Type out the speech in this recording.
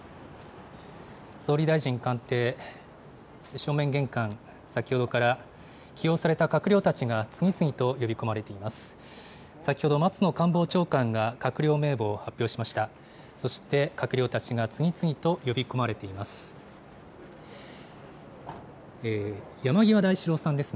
総理大臣官邸、正面玄関、先ほどから、起用された閣僚たちが、次々と呼び込まれています。